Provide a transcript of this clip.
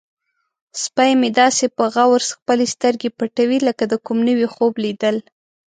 سپی مې داسې په غور خپلې سترګې پټوي لکه د کوم نوي خوب لیدل.